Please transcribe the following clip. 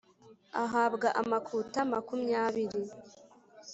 Ahabwa amakuta makumyabiri